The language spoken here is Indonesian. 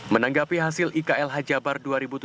menanggapi hasil iklh jabar dua ribu tujuh belas